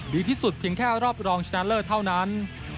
ดีที่สุดเพียงแค่รอบรองชนะเลิศเท่านั้น